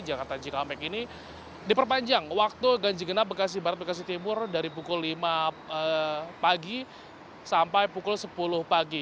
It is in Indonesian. jakarta cikampek ini diperpanjang waktu ganji genap bekasi barat bekasi timur dari pukul lima pagi sampai pukul sepuluh pagi